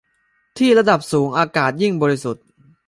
ที่ ระดับสูงอากาศยิ่งบริสุทธิ์